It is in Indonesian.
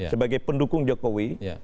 sebagai pendukung jokowi